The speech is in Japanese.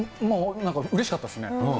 うれしかったですね。